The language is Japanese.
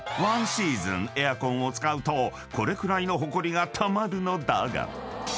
［１シーズンエアコンを使うとこれくらいのほこりがたまるのだが］